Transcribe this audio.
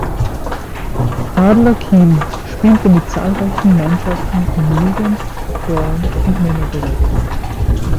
Adler Kiel spielte mit zahlreichen Mannschaften im Jugend-, Frauen- und Männerbereich.